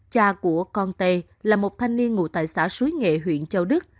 cha của con tê là một thanh niên ngụ tại xã suối nghệ huyện châu đức